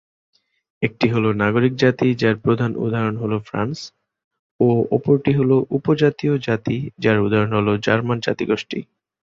একটি হলো নাগরিক জাতি যার প্রধান উদাহরণ হলো ফ্রান্স ও অপরটি হলো উপজাতীয় জাতি যার উদাহরণ হলো জার্মান জাতিগোষ্ঠী।